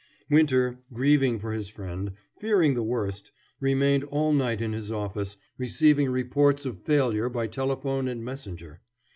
Winter, grieving for his friend, fearing the worst, remained all night in his office, receiving reports of failure by telephone and messenger.